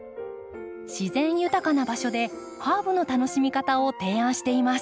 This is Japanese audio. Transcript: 自然豊かな場所でハーブの楽しみ方を提案しています。